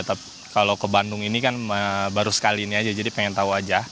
tapi kalau ke bandung ini kan baru sekali ini aja jadi pengen tahu aja